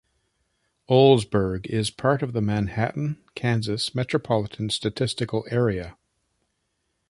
Olsburg is part of the Manhattan, Kansas Metropolitan Statistical Area.